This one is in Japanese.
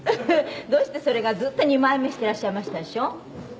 「どうしてそれがずっと二枚目していらっしゃいましたでしょ？」